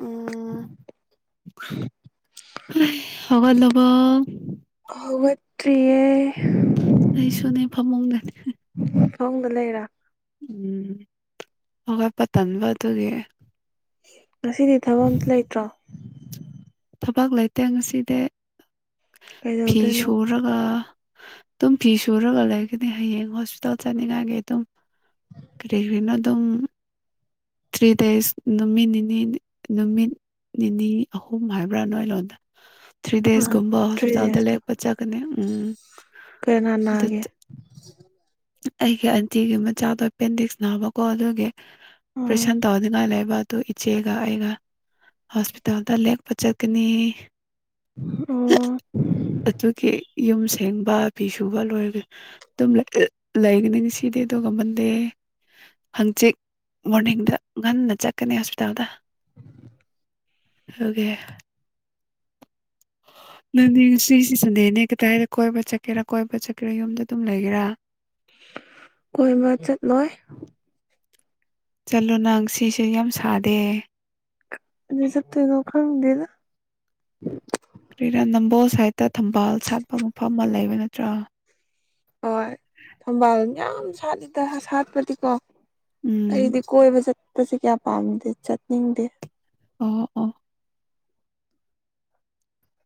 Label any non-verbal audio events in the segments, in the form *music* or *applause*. ꯎꯝ ꯍꯧꯒꯠꯂꯕꯣ ꯍꯧꯒꯠꯇꯔꯤꯌꯦ ꯑꯩꯁꯨꯅꯦ ꯐꯃꯨꯡꯗ ꯅ ꯐꯃꯨꯡꯗ ꯂꯩꯔꯥ ꯎꯝ ꯍꯣꯒꯠꯄ ꯇꯟꯕ ꯑꯗꯨꯒꯤ ꯉꯁꯤꯗꯤ ꯊꯕꯛ ꯑꯥꯝꯇ ꯂꯩꯇ꯭ꯔꯣ ꯊꯕꯛ ꯂꯩꯇꯦ ꯉꯁꯤꯗꯤ ꯐꯤ ꯀꯩꯗꯧꯗꯣꯏꯅꯣ ꯁꯨꯔꯒ ꯑꯗꯨꯝ ꯐꯤ ꯁꯨꯔꯒ ꯂꯩꯒꯅꯤ ꯍꯌꯦꯡ ꯍꯣꯁꯄꯤꯇꯥꯜ ꯆꯠꯅꯤꯡꯉꯥꯏꯒꯤ ꯑꯗꯨꯝ ꯀꯔꯤ ꯀꯔꯤꯅꯣ ꯑꯗꯨꯝ ꯊ꯭ꯔꯤ ꯗꯦꯖ ꯅꯨꯃꯤꯠ ꯅꯤꯅꯤ ꯗ ꯅꯨꯃꯤꯠ ꯅꯤꯅꯤ ꯑꯍꯨꯝ ꯍꯥꯏꯕ꯭ꯔꯥ ꯅꯣꯏ ꯂꯣꯟꯗ ꯊ꯭ꯔꯤ ꯑ ꯗꯦꯁꯀꯨꯝꯕ ꯊ꯭ꯔꯤ ꯍꯣꯁꯄꯤꯇꯥꯜꯗ ꯗꯦꯁꯇꯣ ꯂꯥꯛꯄ ꯆꯠꯒꯅꯤ ꯎꯝ ꯀꯅꯥ ꯑꯗꯨꯗ ꯅꯥꯒꯦ ꯑꯩꯒꯤ ꯑꯟꯇꯤꯒꯤ ꯃꯆꯥꯗꯣ ꯑꯞꯄꯟꯗꯤꯛꯁ ꯅꯥꯕꯀꯣ ꯑꯗꯨꯒꯤ ꯑꯣ ꯑꯣꯄ꯭ꯔꯦꯁꯟ ꯇꯧꯅꯤꯡꯉꯥꯏ ꯂꯩꯕ ꯑꯗꯨ ꯏꯆꯦꯒ ꯑꯩꯒ ꯍꯣꯁꯄꯤꯇꯥꯜꯗ ꯂꯦꯛꯄ ꯆꯠꯀꯅꯤ ꯎꯝ ꯑꯗꯨꯒꯤ ꯌꯨꯝ ꯁꯦꯡꯕ ꯐꯤ ꯁꯨꯕ ꯂꯣꯏꯔꯒ ꯑꯗꯨꯝ ꯂꯩ ꯂꯩꯒꯅꯤ ꯉꯥꯁꯤꯗꯤ ꯑꯗꯨꯒ ꯃꯟꯗꯦ ꯍꯪꯆꯤꯠ ꯃꯣꯔꯅꯤꯡꯗ ꯉꯟꯅ ꯆꯠꯀꯅꯤ ꯍꯣꯁꯄꯤꯇꯥꯜꯗ ꯑꯗꯨꯒꯤ ꯅꯪꯗꯤ ꯉꯁꯤꯁꯤ ꯁꯟꯗꯦꯅꯦ ꯀꯗꯥꯏꯗ ꯀꯣꯏꯕ ꯆꯠꯀꯦꯔꯥ ꯀꯣꯏꯕ ꯆꯠꯀꯦꯔꯥ ꯌꯨꯝꯗ ꯑꯗꯨꯝ ꯂꯩꯒꯦꯔꯥ ꯀꯣꯏꯕ ꯆꯠ ꯂꯣꯏ ꯆꯠꯂꯣ ꯅꯪ ꯁꯤꯁꯨ ꯌꯥꯝ ꯁꯥꯗꯦ ꯀꯗꯥꯏ ꯆꯠꯇꯣꯏꯅꯣ ꯈꯪꯗꯦꯗꯥ ꯀꯔꯤꯔꯥ ꯅꯝꯕꯣꯜ ꯁꯥꯏꯠꯇ ꯊꯝꯕꯥꯜ ꯁꯥꯠꯄ ꯃꯐꯝ ꯑꯃ ꯂꯩꯕ ꯅꯠꯇ꯭ꯔꯥ ꯍꯣꯏ ꯊꯝꯕꯥꯜ ꯌꯥꯝ ꯁꯥꯠꯂꯤꯗ ꯁꯥꯠꯄꯗꯤꯀꯣ ꯎꯝ ꯑꯩꯗꯤ ꯀꯣꯏꯕ ꯆꯠꯄꯁꯦ ꯀꯌꯥ ꯄꯥꯝꯗꯦ ꯆꯠꯅꯤꯡꯗꯦ ꯑꯣ ꯑꯣ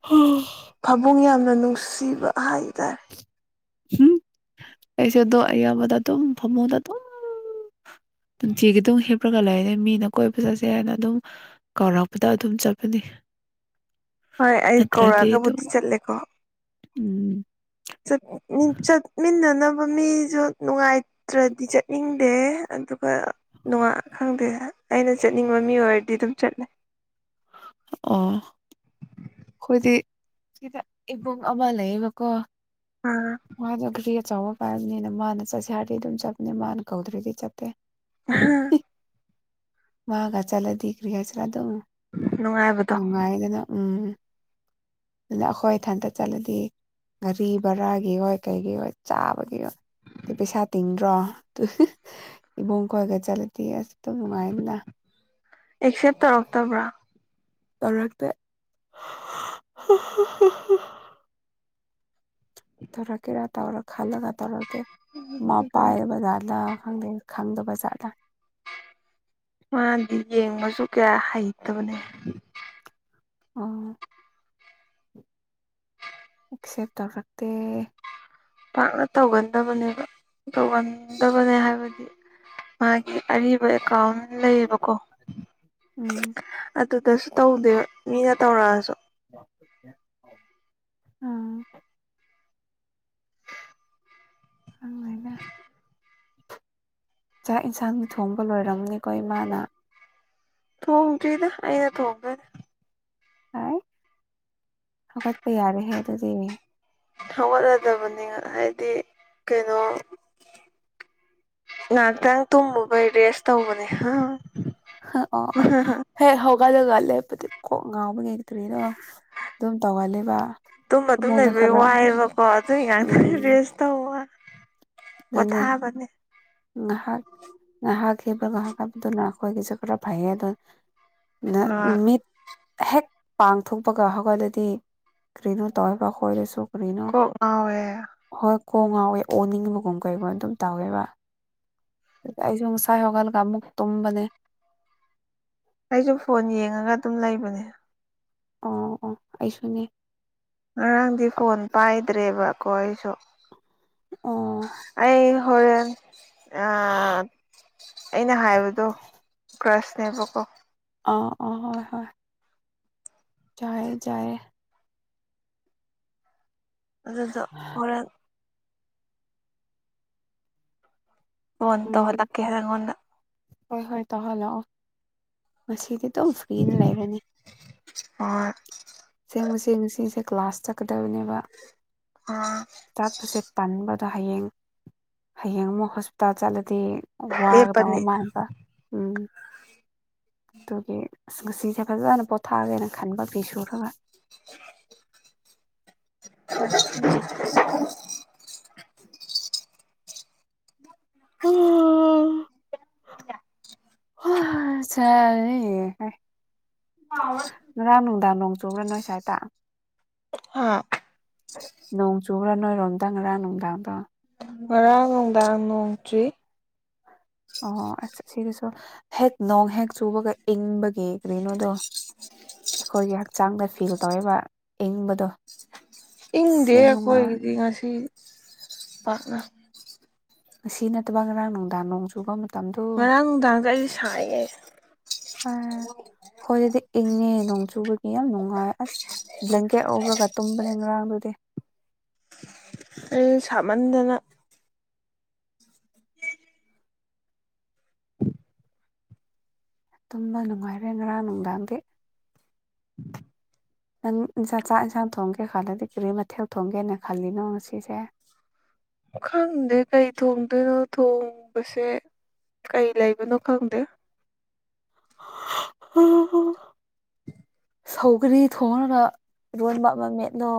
ꯍꯣ ꯐꯃꯨꯡ ꯌꯥꯝꯅ ꯅꯨꯡꯁꯤꯕ ꯍꯥꯏꯇꯥꯔꯦ ꯎꯝ ꯑꯩꯁꯨ ꯑꯗꯨ ꯑꯌꯥꯝꯕꯗ ꯑꯗꯨꯝ ꯐꯃꯨꯡ ꯗꯥ ꯑꯗꯨꯝ ꯅꯨꯡꯇꯤꯒꯤ ꯑꯗꯨꯝ ꯍꯤꯞꯂꯒ ꯂꯩꯔꯦ ꯃꯤꯅ ꯀꯣꯏꯕ ꯆꯠꯁꯦ ꯍꯥꯏꯅ ꯑꯗꯨꯝ ꯀꯥꯎꯔꯛꯄꯗ ꯑꯗꯨꯝ ꯆꯠꯄꯅꯤ ꯍꯣꯏ ꯑꯩ ꯅꯥꯠꯇꯔꯗꯤ ꯀꯧꯔꯛꯑꯒꯕꯨꯗꯤ ꯑꯗꯨꯝ ꯆꯠꯂꯦꯀꯣ ꯎꯝ ꯆꯠ ꯅꯤꯡ ꯆꯠ ꯃꯤꯟꯅꯅꯕ ꯃꯤꯁꯨ ꯅꯨꯡꯉꯥꯏꯇ꯭ꯔꯗꯤ ꯆꯠꯅꯤꯡꯗꯦ ꯑꯗꯨꯒ ꯅꯨꯡꯉꯥ ꯈꯪꯗꯦ ꯑꯩꯅ ꯆꯠꯅꯤꯡꯕ ꯃꯤ ꯑꯣꯏꯔꯗꯤ ꯑꯗꯨꯝ ꯆꯠꯂꯦ ꯑꯣ ꯑꯣ ꯑꯩꯈꯣꯏꯗꯤ ꯁꯤꯗ ꯏꯕꯨꯡ ꯑꯃ ꯂꯩꯌꯦꯕꯀꯣ ꯑꯥ ꯝꯗꯣ ꯒꯔ꯭ꯤ ꯑꯆꯧꯕꯥꯝ ꯄꯥꯏꯕꯅꯤꯅ ꯃꯥꯅ ꯆꯠꯁꯦ ꯍꯥꯏꯔꯗꯤ ꯑꯗꯨꯝ ꯆꯠꯄꯅꯤ ꯃꯥꯅ ꯀꯧꯗ꯭ꯔꯗꯤ ꯆꯠꯇꯦ꯫ ꯑꯍꯥ꯫ ꯃꯥꯒ ꯆꯠꯂꯗꯤ ꯀꯔꯤ ꯍꯥꯏꯁꯤꯔ ꯑꯗꯨꯝ ꯅꯨꯡꯉꯥꯏꯕꯗꯣ ꯅꯨꯡꯉꯥꯏꯗꯅ ꯎꯝ꯫ ꯑꯗꯨ ꯑꯩꯈꯣꯏ ꯏꯊꯟꯇ ꯆꯠꯂꯗꯤ ꯒꯥꯔꯤ ꯚꯔꯥꯒꯤ ꯑꯣꯏ ꯀꯩꯒꯤ ꯑꯣꯏ ꯆꯥꯕꯒꯤ ꯑꯣꯏ꯫ ꯁ ꯄꯩꯁꯥ ꯇꯤꯡꯗ꯭ꯔꯣ ꯗꯨ ꯍ ꯏꯕꯨꯡ ꯈꯣꯏꯒ ꯆꯠꯂꯗꯤ ꯑꯁ ꯑꯗꯨꯝ ꯅꯨꯡꯉꯥꯏꯗꯅ꯫ ꯑꯦꯛꯁꯦꯞ ꯇꯧꯔꯛꯇꯕ꯭ꯔꯣ꯫ ꯇꯧꯔꯛꯇꯦ꯫ *unintelligible* ꯇꯧꯔꯛ ꯀꯦꯔ ꯇꯧꯔ ꯈꯜꯂ ꯒ ꯇꯧꯔꯛꯇꯦ ꯃ ꯑꯗꯨ ꯄꯥꯏꯔ ꯕꯖꯠꯂ ꯈꯪꯗꯦ꯫ ꯈꯪꯗꯕ ꯖꯥꯠꯂ꯫ ꯃꯥꯗꯤ ꯌꯦꯡꯕꯁꯨ ꯀꯌꯥ ꯍꯩꯇꯕꯅꯦ꯫ ꯑꯣ꯫ ꯁꯦꯞ ꯇꯧꯔꯛꯇꯦ꯫ ꯄꯥꯛꯅ ꯇꯧꯒꯟꯗꯕꯅꯦꯕ ꯇꯧꯒꯟ ꯗꯕꯅꯦ ꯍꯥꯏꯕꯗꯤ꯫ ꯃꯥꯒꯤ ꯑꯔꯤꯕ ꯑꯦꯀꯥꯎꯟ꯫ ꯂꯩꯌꯦꯕꯀꯣ ꯎꯝ ꯑꯗꯨꯗꯁꯨ ꯇꯧꯗꯦ ꯃꯤꯅ ꯇꯧꯔꯛꯑꯁꯨ꯫ *unintelligible* ꯑꯥ꯫ *unintelligible* ꯆꯥꯛ ꯏꯟꯁꯥꯡꯗꯤ ꯊꯣꯡꯕ ꯂꯣꯏꯔꯝꯃꯅꯤꯀꯣ ꯏꯃꯥꯅ꯫ ꯊꯣꯡꯗꯔ꯭ꯤꯗ ꯑꯩꯅ ꯊꯣꯡꯗꯣꯏ_꯫ ꯍꯥꯏ ꯍꯧꯒꯠꯄ ꯌꯥꯔꯦꯍꯦ ꯑꯗꯨꯗꯤ꯫ ꯍꯧꯒꯠꯂꯗꯕꯅꯦ ꯍꯥꯏꯗꯤ ꯀꯩꯅꯣ꯫ ꯉꯥꯛꯇꯪ ꯇꯨꯝꯃꯨꯕꯩ ꯔꯦꯁ ꯇꯧꯕꯅꯦ ꯍꯪ꯫ ꯑꯣ ꯑꯣ꯫ ꯍꯦꯛ ꯍꯧꯒꯠꯂꯒ ꯂꯦꯞꯄꯗꯤ ꯀꯣꯛ ꯉꯥꯎꯕ_ ꯀꯔꯤꯔꯣ ꯑꯗꯨꯝ ꯇꯧꯒꯜꯂꯦꯕ꯫ ꯇꯨꯝꯕ ꯗꯨꯝ ꯐꯃꯨꯡꯗ ꯂꯩꯕꯩ ꯈꯔ ꯋꯥꯏꯑꯦꯕꯀꯣ ꯑꯗꯨꯏ ꯉꯥꯛꯇꯪ ꯔꯦꯁ꯫ ꯇꯧꯕ ꯅꯅꯦ꯫ ꯄꯣꯊꯥꯕꯅꯦ ꯉꯥꯍꯥꯛ ꯉꯥꯍꯥꯛꯍꯤꯞꯄꯒ ꯍꯧꯒꯠꯄꯥꯗꯨꯅ ꯑꯩꯈꯣꯏꯒꯤꯁꯨ ꯈꯔꯥ ꯐꯩꯌꯦ ꯑꯗꯣ꯫ ꯅ ꯑꯥ ꯃꯤꯠ꯫ ꯍꯦꯛ ꯄꯥꯡꯊꯣꯛꯄꯒ ꯍꯧꯒꯠꯂꯗꯤ ꯀꯔꯤꯅꯣ ꯇꯧꯑꯦꯕ ꯑꯩꯈꯣꯏꯗꯁꯨ ꯀꯔꯤꯅꯣ꯫ ꯀꯣꯛ ꯉꯥꯎꯋꯦ꯫ ꯍꯣꯏ ꯀꯣꯛ ꯉꯥꯎꯋꯦ ꯑꯣꯅꯤꯡ_꯫ ꯨꯎꯝ ꯀꯩꯕꯣꯏ ꯑꯗꯨꯝ ꯇꯧꯋꯦꯕ ꯑꯩꯁꯨ ꯉꯁꯥꯏ ꯍꯧꯒꯠꯂꯒ ꯑꯃꯨꯛ ꯇꯨꯝꯕꯅꯦ꯫ ꯑꯩꯁꯨ ꯐꯣꯟ ꯌꯦꯡꯉꯒ ꯑꯗꯨꯝ ꯂꯩꯕꯅꯦ꯫ ꯑꯣ ꯑꯣ ꯑꯩꯁꯨꯅꯦ꯫ ꯉꯔꯥꯡꯗꯤ ꯐꯣꯟ ꯄꯥꯏꯗ꯭ꯔꯦꯕ ꯀꯣ ꯑꯩꯁꯨ꯫ ꯑꯣ꯫ ꯑꯩ ꯍꯣꯔꯦꯟ ꯑꯥ꯫ ꯑꯩꯅ ꯍꯥꯏꯕꯗꯣ ꯀꯔꯁꯅꯦꯕꯀꯣ꯫ ꯑ ꯑꯣ ꯍꯣꯏ ꯍꯣꯏ꯫ ꯖꯥꯏꯌꯦ ꯖꯥꯏꯌꯦ꯫ ꯑꯗꯨꯗꯣ ꯍꯣꯔꯦꯟ꯫ ꯐꯣꯟ ꯎꯝ ꯇꯧꯍꯜꯂꯛꯀꯦ ꯑꯩꯑꯣꯟꯗ꯫ ꯍꯣꯏ ꯍꯣꯏ ꯇꯧꯍꯜꯂꯛꯑꯣ ꯉꯁꯤꯗꯤ ꯑꯗꯨꯝ ꯐ꯭ꯔꯤꯗ ꯂꯩꯔꯅꯤ꯫ ꯍꯣꯏ꯫ ꯁꯦꯝꯃꯨꯁꯦ ꯑꯁꯤꯁꯦ ꯀ꯭ꯂꯥꯁ ꯆꯠꯀꯗꯕꯅꯦꯕ꯫ ꯑꯥ꯫ ꯆꯠꯄꯁꯦ ꯇꯟꯕ ꯑꯗꯣ ꯍꯌꯦꯡ ꯍꯌꯦꯡ ꯑꯃꯨꯛ ꯍꯣꯁꯄꯤꯇꯥꯜ ꯆꯠꯂꯗꯤ꯫ ꯂꯦꯞꯄꯅꯤ ꯋꯥꯒꯗꯕꯃ ꯃꯥꯟꯕ꯫ *inaudible* ꯗꯨꯒꯤ ꯑꯁ ꯉꯁꯤꯁꯦ ꯐꯖꯅ ꯄꯣꯊꯥꯒꯦꯅ ꯈꯟꯕ ꯐꯤ ꯁꯨꯔꯒ꯫ ꯇ ꯎ ꯍ ꯆꯔ ꯑ ꯉꯔꯥꯡ ꯅꯨꯡꯗꯥꯡ ꯅꯣꯡ ꯆꯨꯕ꯭ꯔꯥ ꯅꯣꯏ ꯁ꯭ꯋꯥꯏꯗ ꯍꯥ ꯅꯣꯡ ꯆꯨꯕ꯭ꯔꯥ ꯅꯣꯏꯔꯣꯝꯗꯪꯒ꯭ꯔꯥ ꯅꯨꯡꯗꯥꯡꯗꯣ ꯉꯔꯥꯡ ꯅꯨꯡꯗꯥꯡ ꯅꯣꯡꯇ꯭ꯔꯤ ꯑꯣꯁ ꯁꯤꯗꯁꯨꯣ ꯍꯦꯛ ꯅꯣꯡ ꯍꯦꯛ ꯆꯨꯕꯒ ꯏꯪꯕꯒꯤ ꯀ꯭ꯔꯤꯅꯣꯗꯣ ꯑꯩꯈꯣꯏꯒꯤ ꯍꯛꯆꯥꯡꯗ ꯐꯤꯜ ꯇꯧꯔꯤꯕ ꯏꯪꯕꯗꯣ ꯏꯪꯗꯦ ꯑꯁ ꯌꯥꯝ ꯅꯨꯡꯉꯥꯏ ꯑꯩꯈꯣꯏꯒꯤꯗꯤ ꯉꯁꯤ ꯄꯥꯛꯅ ꯉꯁꯤ ꯅꯠꯇꯕ ꯉꯔꯥꯡ ꯅꯨꯡꯗꯥꯡ ꯅꯣꯡ ꯆꯨꯕ ꯃꯇꯝꯗꯨ ꯉꯔꯥꯡ ꯅꯨꯡꯗꯥꯡꯒ ꯑꯩꯁ ꯁꯥꯏꯒꯦ ꯈꯣꯏꯗꯗꯤ ꯏꯪꯉꯦ ꯅꯣꯡ ꯆꯨꯕꯒꯤ ꯌꯥꯝ ꯅꯨꯡꯉꯥꯏ ꯑꯁ ꯕ꯭ꯂꯦꯡꯀꯦꯠ ꯂꯧꯔꯒ ꯇꯨꯝꯕꯅꯦ ꯉꯔꯥꯡꯗꯨꯗꯤ ꯑꯩꯖꯨ ꯁꯥꯃꯟꯗꯅ ꯇꯨꯝꯕ ꯅꯨꯡꯉꯥꯏꯔꯦ ꯉꯔꯥꯡ ꯅꯨꯡꯗꯥꯡꯗꯤ ꯅꯪ ꯏꯟꯁꯥ ꯆꯥꯛ ꯏꯟꯁꯥꯡ ꯊꯣꯡꯒꯦ ꯈꯜꯂꯗꯤ ꯀꯔꯤ ꯃꯊꯦꯜ ꯊꯣꯡꯒꯦꯅ ꯈꯜꯂꯤꯅꯣ ꯉꯁꯤꯁꯦ ꯈꯪꯗꯦ ꯀꯩ ꯊꯣꯡꯗꯣꯏꯅꯣ ꯊꯣꯡꯕꯁꯦ ꯀꯩ ꯂꯩꯕꯅꯣ ꯈꯪꯗꯦ *unintelligible* ꯁꯧꯒꯔꯤ ꯊꯣꯡꯉꯒ ꯏꯔꯣꯟꯕ ꯑꯃ ꯃꯦꯠꯂꯣ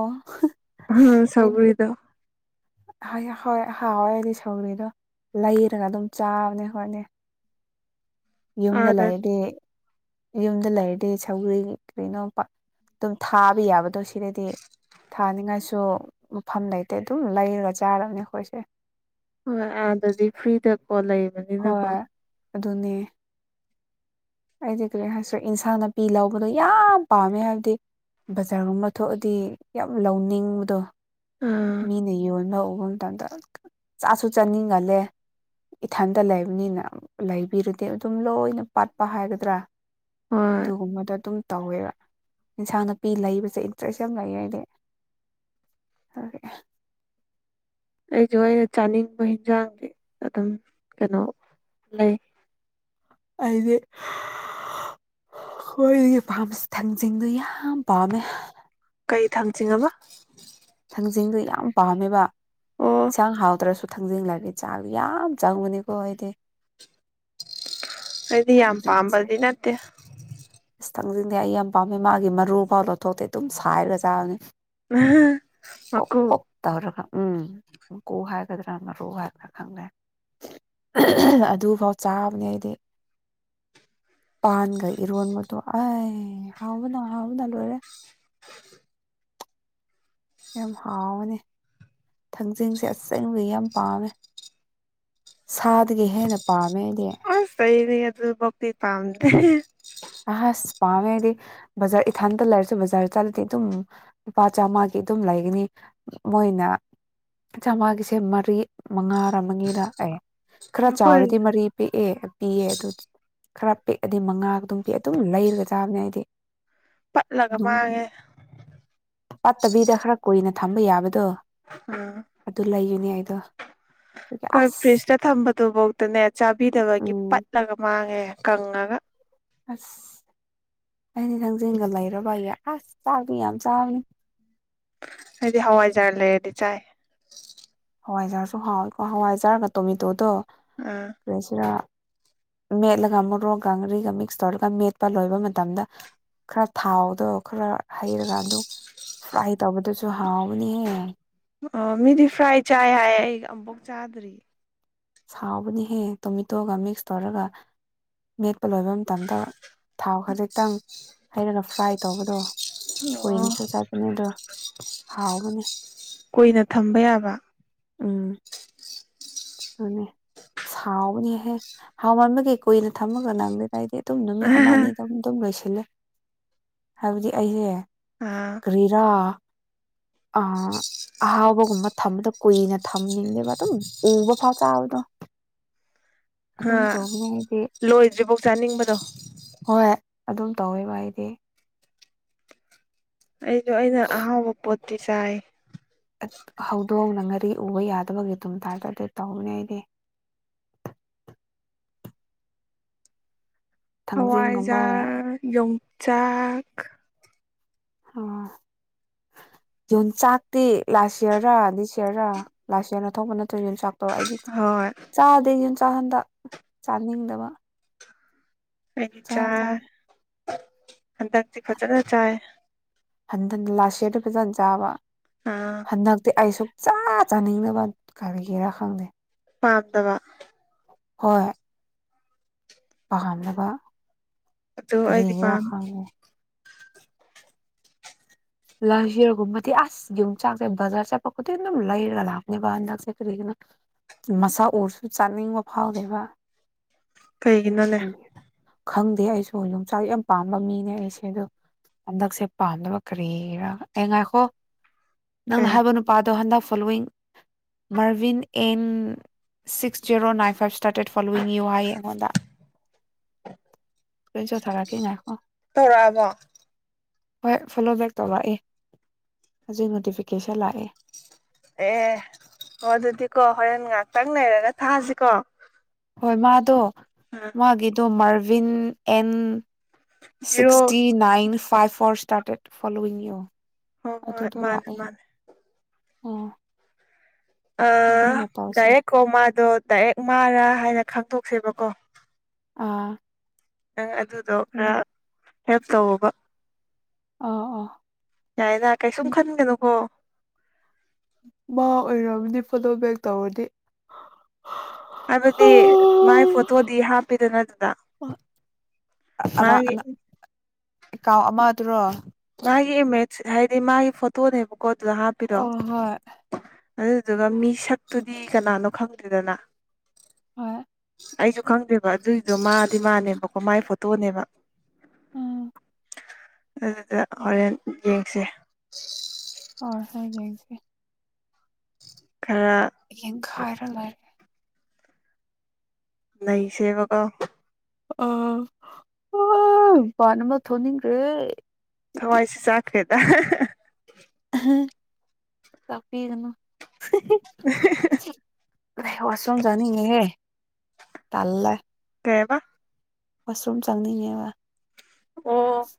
ꯎꯝ ꯁꯧꯒꯔꯤꯗꯣ ꯍꯥꯌꯥ ꯍꯣꯏ ꯍꯥꯎꯋꯦ ꯑꯩꯗꯤ ꯁꯧꯒ꯭ꯔꯤꯗꯣ ꯂꯩꯔꯒ ꯑꯗꯨꯝ ꯆꯥꯕꯅꯦ ꯍꯣꯠꯅꯤ ꯌꯨꯝꯗ ꯑꯥꯗ ꯂꯩꯔꯗꯤ ꯌꯨꯝꯗ ꯂꯩꯔꯗꯤ ꯁꯧꯒ꯭ꯔꯔꯤ ꯀꯩꯅꯣ ꯄ ꯑꯗꯨꯝ ꯊꯥꯕ ꯌꯥꯕꯗꯣ ꯁꯤꯗꯗꯤ ꯊꯥꯅꯤꯡꯉꯥꯏꯁꯨ ꯃꯐꯝ ꯂꯩꯇꯦ ꯑꯗꯨꯝ ꯂꯩꯔꯒ ꯆꯥꯔꯕꯅꯦ ꯑꯩꯈꯣꯏꯁꯦ ꯍꯣꯏ ꯑꯗꯗꯤ ꯐ꯭ꯔꯤꯗ ꯀꯣꯜ ꯂꯩ ꯍꯣꯏ ꯑꯗꯨꯅꯦ ꯑꯩꯗꯤ ꯀꯔꯤ ꯍꯥꯏꯁꯤꯔ ꯏꯟꯁꯥꯡ ꯅꯥꯄꯤ ꯂꯧꯕꯗꯣ ꯌꯥꯝ ꯄꯥꯝꯃꯦ ꯍꯥꯏꯕꯗꯤ ꯕꯖꯥꯔꯒꯨꯝꯕ ꯊꯣꯛꯑꯗꯤ ꯌꯥꯝ ꯂꯧꯅꯤꯡꯕꯗꯣ ꯑꯥ ꯃꯤꯅ ꯌꯣꯟꯕ ꯎꯕ ꯃꯇꯝꯗ ꯆꯥꯁꯨ ꯆꯥꯅꯤꯡꯒꯜꯂꯦ ꯏꯊꯟꯇ ꯂꯩꯕꯅꯤꯅ ꯂꯩꯕꯤꯔꯗꯤ ꯑꯗꯨꯝ ꯂꯣꯏꯅ ꯄꯥꯠꯄ ꯍꯥꯏꯒꯗ꯭ꯔꯥ ꯍꯣꯏ ꯑꯗꯨꯒꯨꯝꯕꯗꯣ ꯑꯗꯨꯝ ꯇꯧꯋꯦꯕ ꯏꯟꯁꯥꯡ ꯅꯥꯄꯤ ꯂꯩꯕꯁꯦ ꯏꯟꯇꯔꯦꯁ ꯌꯥꯝ ꯂꯩ ꯑꯩꯗꯤ ꯑꯗꯨꯒꯤ ꯑꯍ ꯑꯩꯁꯨ ꯑꯩꯅ ꯆꯥꯅꯤꯡꯕ ꯍꯤꯟꯖꯥꯡꯗꯤ ꯑꯗꯨꯝ ꯀꯩꯅꯣ ꯂꯩ ꯍꯥꯏꯗꯤ ꯍꯍ ꯍꯣꯏꯒꯤ ꯄꯥꯝꯁ ꯊꯥꯡꯖꯤꯡꯗꯣ ꯌꯥꯝ ꯄꯥꯝꯃꯦ ꯀꯩ ꯊꯥꯡꯆꯤꯡ ꯑꯕ ꯊꯥꯡꯖꯤꯡꯗꯨ ꯌꯥꯝ ꯄꯥꯝꯃꯦꯕ ꯑꯣ ꯏꯟꯁꯥꯡ ꯍꯥꯎꯇ꯭ꯔꯁꯨ ꯊꯥꯡꯖꯤꯡ ꯂꯩꯔꯗꯤ ꯆꯥꯛꯇꯣ ꯌꯥꯝ ꯆꯪꯕꯅꯤꯀꯣ ꯑꯩꯗꯤ ꯑꯩꯗꯤ ꯌꯥꯝ ꯄꯥꯝꯕꯗꯤ ꯅꯠꯇꯦ ꯏꯁ ꯊꯥꯝꯖꯤꯡꯗꯤ ꯑꯩ ꯌꯥꯝ ꯄꯥꯝꯃꯦ ꯃꯥꯒꯤ ꯃꯔꯨꯐꯥꯎ ꯂꯧꯊꯣꯛꯇꯦ ꯑꯗꯨꯝ ꯁꯥꯏꯔꯒ ꯆꯥꯕꯅꯤ ꯑꯍ ꯃꯀꯨ ꯇꯧꯔꯒ ꯎꯝ ꯃꯀꯨ ꯍꯥꯏꯒꯗ꯭ꯔꯥ ꯃꯔꯨ ꯍꯥꯏꯒꯗ꯭ꯔꯥ ꯈꯪꯗꯦ ꯑꯍ ꯍ ꯑꯗꯨꯐꯥꯎ ꯆꯥꯕꯅꯦ ꯑꯩꯗꯤ ꯄꯥꯟꯈꯩ ꯏꯔꯣꯟꯕꯗꯣ ꯑꯥꯏ ꯍꯥꯎꯕꯅ ꯍꯥꯎꯕꯅ ꯂꯣꯏꯔꯦ ꯌꯥꯝ ꯍꯥꯎꯕꯅꯤ ꯊꯥꯡꯖꯤꯡꯁꯦ ꯑꯆꯦꯡꯕꯒꯤ ꯌꯥꯝ ꯄꯥꯝꯃꯦ ꯁꯥꯗꯒꯤ ꯍꯦꯟꯅ ꯄꯥꯝꯃꯦ ꯑꯩꯗꯤ ꯑꯁ ꯑꯩꯗꯤ ꯑꯗꯨꯐꯥꯎꯗꯤ ꯄꯥꯝꯗꯦ ꯑꯁ ꯄꯥꯝꯃꯦ ꯑꯩꯗꯤ ꯕꯖꯥꯔ ꯏꯊꯥꯟꯇ ꯂꯩꯥꯏꯔꯁꯨ ꯕꯖꯥꯔ ꯆꯠꯂꯗꯤ ꯑꯗꯨꯝ ꯂꯨꯄꯥ ꯆꯥꯝꯃꯒꯤ ꯑꯗꯨꯝ ꯂꯩꯒꯅꯤ ꯃꯣꯏꯅ ꯆꯥꯝꯃꯒꯤꯁꯦ ꯃꯔꯤ ꯃꯉꯥꯔ ꯃꯉꯤꯔ ꯑꯦ ꯈꯔ ꯑꯩꯈꯣꯏ ꯆꯥꯎꯔꯗꯤ ꯃꯔꯤ ꯄꯦꯛꯑꯦ ꯄꯤꯌꯦ ꯑꯗꯨ ꯈꯔ ꯄꯦꯛꯑꯗꯤ ꯃꯉꯥ ꯑꯗꯨꯝ ꯑꯗꯨꯝ ꯂꯩꯔꯒ ꯆꯥꯕꯅꯦ ꯑꯩꯗꯤ ꯄꯠꯂꯒ ꯑꯗꯨꯝ ꯃꯥꯡꯉꯦ ꯄꯠꯇꯕꯤꯗ ꯈꯔ ꯀꯨꯏꯅ ꯊꯝꯕ ꯌꯥꯕꯗꯣ ꯎꯝ ꯑꯗꯨ ꯂꯩꯌꯨꯅꯦ ꯑꯩꯗꯣ ꯑꯗꯨꯒꯤ ꯑꯈꯣꯏ ꯑꯁ ꯐ꯭ꯔꯤꯖꯇ ꯊꯝꯕꯗꯨꯐꯧꯗꯅꯦ ꯆꯥꯕꯤꯗꯕꯒꯤ ꯎꯝ ꯄꯠꯂꯒ ꯃꯥꯡꯉꯦ ꯀꯪꯉꯒ ꯑꯁ ꯑꯩꯗꯤ ꯊꯥꯡꯖꯤꯡꯒ ꯂꯩꯔꯕ ꯑꯩꯒꯤ ꯑꯁ ꯆꯥꯛꯇꯤ ꯌꯥꯝ ꯆꯥꯕꯅꯤ ꯑꯩꯗꯤ ꯍꯋꯥꯏꯖꯥꯔ ꯂꯩꯔꯗꯤ ꯆꯥꯏ ꯍꯋꯥꯏꯖꯥꯔꯁꯨ ꯍꯥꯎꯋꯤꯀꯣ ꯍꯋꯥꯏꯖꯥꯔꯒ ꯇꯣꯃꯦꯇꯣꯗꯣ ꯑꯥ ꯀ꯭ꯔꯦꯁꯤꯔ ꯃꯦꯠꯂꯒ ꯃꯣꯔꯣꯛꯀ ꯉꯔꯤꯒ ꯃꯤꯛꯁ ꯇꯧꯔꯒ ꯃꯦꯠꯄ ꯂꯣꯏꯕ ꯃꯇꯝꯗ ꯈꯔ ꯊꯥꯎꯗꯣ ꯈꯔ ꯍꯩꯔꯀꯥꯟꯗ ꯐ꯭ꯔꯥꯏ ꯇꯧꯕꯗꯁꯨ ꯍꯥꯎꯕꯅꯦꯍꯦ ꯑꯣ ꯃꯤꯗꯤ ꯐ꯭ꯔꯥꯏ ꯆꯥꯏ ꯍꯥꯏ ꯑꯩ ꯑꯃꯨꯛꯐꯥꯎ ꯆꯥꯗ꯭ꯔꯤ ꯍꯥꯎꯕꯅꯦꯍꯦ ꯇꯣꯃꯦꯇꯣꯒ ꯃꯤꯛꯁ ꯇꯧꯔꯒ ꯃꯦꯠꯄ ꯂꯣꯏꯕ ꯃꯇꯝꯗ ꯊꯥꯎ ꯈꯖꯤꯛꯇꯪ ꯍꯩꯔꯒ ꯐ꯭ꯔꯥꯏ ꯇꯧꯕꯗꯣ ꯑꯣ ꯀꯨꯏꯅꯁꯨ ꯆꯠꯀꯅꯤ ꯑꯗꯣ ꯍꯥꯎꯕꯅꯦ ꯀꯨꯏꯅ ꯊꯝꯕ ꯌꯥꯕ ꯎꯝ ꯑꯗꯨꯅꯦ ꯑ ꯍꯥꯎꯕꯅꯤꯍꯦ ꯍꯥꯎ ꯃꯟꯕꯒꯩ ꯀꯨꯏꯅ ꯊꯝꯃꯒ ꯅꯪꯗꯦ ꯀꯥꯏꯗꯦ ꯑꯗꯨꯝ ꯅꯨꯃꯤꯠ ꯑꯃ ꯑꯥ ꯑꯅꯤꯗ ꯑꯗꯨꯝ ꯂꯣꯏꯁꯤꯜꯂꯦ ꯍꯥꯏꯕꯗꯤ ꯑꯩꯁꯦ ꯑꯥ ꯀꯔꯤꯔꯥ ꯑ ꯑꯍꯥꯎꯕꯒꯨꯝꯕ ꯊꯝꯕꯗ ꯀꯨꯏꯅ ꯊꯝꯅꯤꯡꯂꯦꯕ ꯑꯗꯨꯝ ꯎꯕ ꯐꯥꯎ ꯆꯥꯗ ꯍꯥ ꯑꯩꯗꯤ ꯂꯣꯏꯗ꯭ꯔꯤꯐꯥꯎ ꯆꯥꯅꯤꯡꯕꯗꯣ ꯍꯣꯏ ꯑꯗꯨꯝ ꯇꯧꯋꯦꯕ ꯑꯩꯗꯤ ꯑꯩꯁꯨ ꯑꯩꯅ ꯑꯍꯥꯎꯕ ꯄꯣꯠꯇꯤ ꯆꯥꯏ ꯍꯧꯗꯣꯛꯅ ꯉꯔꯤ ꯎꯕ ꯌꯥꯗꯕꯒꯤ ꯑꯗꯨꯝ ꯇꯥꯏꯗꯤ ꯇꯧꯅꯤ ꯑꯩꯗꯤ ꯊꯥꯡꯖꯤꯡꯒꯨꯝꯕ ꯍꯋꯥꯏꯖꯥꯔ ꯌꯣꯡꯆꯥꯛ ꯑꫭ ꯌꯣꯡꯆꯥꯛꯇꯤ ꯂꯥꯁ ꯌꯔ ꯑꯅꯤ ꯁꯤꯔꯥ ꯂꯥꯁ ꯌꯔ ꯑ ꯊꯧꯕ ꯅꯠꯇ꯭ꯔꯣ ꯌꯣꯟꯆꯥꯛꯇ ꯑꯣ ꯑꯩꯗꯤ ꯍꯣꯏ ꯆꯥꯗꯦ ꯌꯨꯡꯆꯥꯛ ꯍꯟꯗꯛ ꯆꯥꯅꯤꯡꯗꯕ ꯑꯩꯗꯤ ꯆꯥ ꯆꯥꯏ ꯆꯥ ꯍꯟꯗꯛꯇꯤ ꯐꯖꯅ ꯆꯥꯏ ꯍꯟꯊꯟ ꯂꯥꯁ ꯁꯤꯌꯔꯗ ꯐꯖꯅ ꯆꯥꯕ ꯑꯥ ꯍꯟꯗꯛꯇꯤ ꯑꯩ ꯁꯨꯡꯛ ꯆꯥ ꯆꯥꯅꯤꯡꯅꯕ ꯀꯔꯤꯒꯤꯔꯥ ꯈꯪꯗꯦ ꯄꯥꯝꯗꯕ ꯍꯣꯏ ꯄꯥꯝꯅꯕ ꯑꯗꯨ ꯑꯩꯗꯤ ꯀ꯭ꯔꯤꯔ ꯄꯥꯝꯃꯤ ꯈꯪꯉꯦ ꯂꯥꯏꯆꯔꯒꯨꯝꯃꯗꯤ ꯑꯁ ꯒꯤ ꯆꯥꯛ ꯕꯖꯔ ꯆ ꯄ ꯀꯗꯤ ꯑꯗꯨꯝ ꯂ ꯂꯩꯔꯒ ꯂꯥꯛꯅꯤꯕꯗ ꯀꯔꯤꯅ ꯃꯁꯥ ꯎꯔꯁꯨ ꯆꯥꯅꯤꯡꯕ ꯐꯥꯎꯗꯦꯕ ꯀꯩꯒꯤꯅꫭ ꯂꯩ ꯀꯔꯤ ꯈꯪꯗꯦ ꯑꯩꯁꯨ ꯌꯣꯡꯆꯥꯛ ꯌꯥꯝ ꯄꯥꯝꯕ ꯃꯤꯅꯦ ꯑꯩꯁꯦ ꯑꯗꯣ ꯍꯟꯗꯛꯁꯦ ꯄꯥꯝꯅꯕ ꯀꯔꯤꯔꯥ ꯑꯦ ꯉꯥꯏꯈꯣ ꯅꯪꯅ ꯀꯩ ꯍꯥꯏꯕ ꯅꯨꯄꯥꯗꯣ ꯍꯟꯗꯛ following Marvin M six zero nine five started following you ꯍꯥꯏ ꯑꯩꯉꯣꯟꯗ *unintelligible* ꯊꯔꯛ ꯀꯩ ꯅꯥꯈꯣ ꯇꯧꯔꯛꯑꯕꯣ ꯍꯣꯏ ꯐꯣꯂꯣ ꯕꯦꯛ ꯇꯧꯔꯛꯑꯦ ꯍꯧꯖꯤꯛ ꯅꯣꯇꯤꯐꯤꯀꯦꯁꯟ ꯂꯥꯛꯑꯦ ꯑꯦ-ꯑꯣ ꯑꯗꯨꯗꯤꯀꯣ ꯍꯣꯔꯦꯟ ꯉꯥꯏꯍꯥꯛꯇꯪ ꯅꯩꯔꯒ ꯊꯥꯁꯤꯀꯣ ꯍꯣꯏ ꯃꯥꯗꯣ ꯃꯥꯒꯤꯗꯣ Marvin N zero sixty nine five four started following you ꯍꯣꯏ ꯍꯣꯏ ꯑꯗꯨꯗꯣ ꯃꯥꯅꯦ ꯂꯥꯛꯑꯦ ꯃꯥꯅꯦ ꯑꯣ ꯑ ꯇꯧꯁꯦ ꯗꯥꯏꯔꯦꯛ ꯀꯣ ꯃꯥꯗꯣ ꯗꯥꯏꯔꯦꯛ ꯃꯥꯔꯥ ꯍꯥꯏꯅ ꯈꯪꯗꯣꯛꯁꯦꯕꯀꯣ ꯑꯥ ꯅꯪ ꯑꯗꯨꯗꯣ ꯑꯗꯨꯅꯦ ꯈꯔ ꯍꯦꯜꯞ ꯇꯧꯕ ꯑꯥ ꯑꯥ ꯌꯥꯏꯗ ꯀꯩꯁꯨꯝ ꯈꯟꯒꯅꯨꯀꯣ ꯃꯥ ꯑꯣꯏꯔꯝꯗꯤ ꯐꯣꯂꯣ ꯕꯦꯛ ꯇꯧꯔꯗꯤ ꯍꯥꯏꯕꯗꯤ ꯃꯥꯏ ꯐꯣꯇꯣꯗꯤ ꯍꯥꯞꯄꯤꯗꯅ ꯑꯗꯨꯗ ꯀꯥꯎ ꯑꯃ ꯃꯥꯒꯤ ꯑꯦꯀꯥꯎꯟ ꯑꯃꯗꯨꯔꯣ ꯃꯥꯒꯤ ꯏꯃꯦꯖ ꯍꯥꯏꯗꯤ ꯃꯥꯒꯤ ꯐꯣꯇꯣꯅꯦꯕꯀꯣ ꯑꯗꯨꯗ ꯍꯥꯞꯄꯤꯔꯣ ꯑꯣ ꯍꯣꯏ ꯑꯗꯨꯗꯨꯒ ꯃꯤ ꯁꯛꯇꯨꯗꯤ ꯀꯅꯥꯅꯣ ꯈꯪꯡꯗꯦꯗꯅ ꯍꯣꯏ ꯑꯩꯁꯨ ꯈꯪꯗꯦꯕ ꯑꯗꯨꯒꯤꯗꯣ ꯃꯥꯗꯤ ꯃꯥꯅꯦꯕꯀꯣ ꯃꯥꯏ ꯐꯣꯇꯣꯅꯦꯕ ꯎꯝ ꯑꯗꯨꯗ ꯍꯣꯔꯦꯟ ꯌꯦꯡꯁꯦ ꯍꯣꯏ ꯌꯦꯡꯁꯦ ꯈꯔ ꯌꯦꯡꯈꯥꯏꯔ ꯂꯣꯏꯔꯦ ꯅꯩꯁꯦꯕ ꯀꯣ ꯑ ꯄꯅ ꯑꯃ ꯊꯣꯛꯅꯤꯡ꯭ꯈꯔꯦ ꯌꯦ ꯊꯋꯥꯏꯁꯦ ꯆꯥꯛꯈ꯭ꯔꯦꯗ ꯂꯥꯛꯄꯤꯒꯅꯣ *unintelligible* ꯑꯩ ꯋꯥꯁꯔꯨꯝ ꯆꯅꯤꯡꯉꯦꯍꯦ ꯇꯜꯂꯦ ꯀꯩꯑꯕ ꯋꯥꯁꯔꯨꯝ ꯆꯪꯅꯤꯡꯉꯦꯕ ꯑꯣ